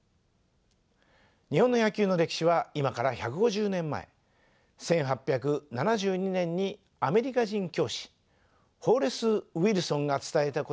日本の野球の歴史は今から１５０年前１８７２年にアメリカ人教師ホーレス・ウィルソンが伝えたことから始まりました。